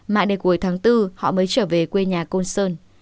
mã đề cuối tháng bốn họ mới trở về quê nhà côn sơn